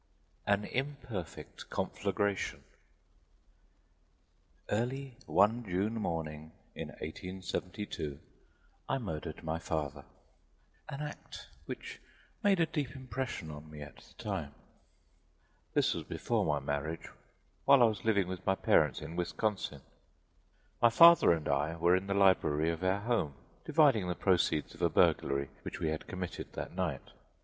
AN IMPERFECT CONFLAGRATION Early one June morning in 1872 I murdered my father an act which made a deep impression on me at the time. This was before my marriage, while I was living with my parents in Wisconsin. My father and I were in the library of our home, dividing the proceeds of a burglary which we had committed that night.